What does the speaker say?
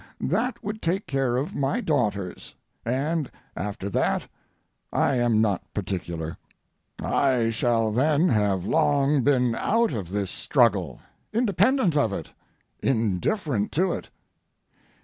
That would take care of my daughters, and after that I am not particular. I shall then have long been out of this struggle, independent of it, indifferent to it.